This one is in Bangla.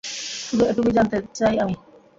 শুধু এটুকুই জানতে চাই আমি।